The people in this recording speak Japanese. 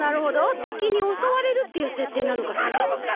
てきにおそわれるっていうせっていなのかしら。